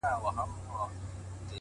شېرينې څه وکړمه زړه چي په زړه بد لگيږي _